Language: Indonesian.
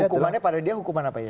hukumannya pada dia hukuman apa ya